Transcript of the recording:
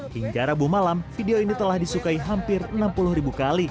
hingga rabu malam video ini telah disukai hampir enam puluh ribu kali